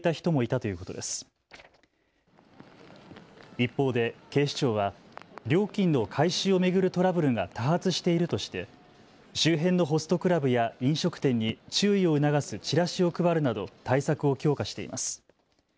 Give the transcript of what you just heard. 一方で警視庁は料金の回収を巡るトラブルが多発しているとして周辺のホストクラブや飲食店に注意を促すチラシを配るなど対策を強化しています。